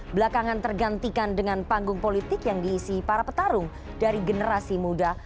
belakangan tergantikan dengan panggung politik yang diisi para petarung dari generasi muda